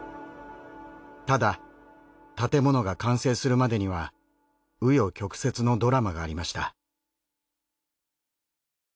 ただ建物が完成するまでにはう余曲折のドラマがありました。